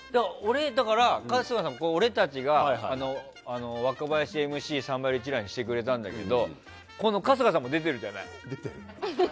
春日さん、俺たちが若林ＭＣ「サンバリュ」一覧にしてくれたんだけどこれ春日さんも出てるじゃない。